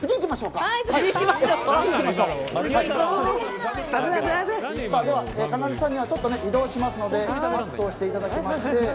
かなでさんにはちょっと移動しますのでマスクをしていただきまして。